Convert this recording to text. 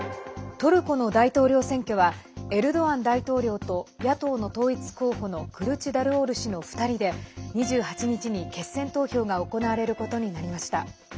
トルコの大統領選挙はエルドアン大統領と野党の統一候補のクルチダルオール氏の２人で２８日に決選投票が行われることになりました。